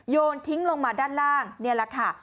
โยนทิ้งลงมาด้านล่างนี่แหละค่ะ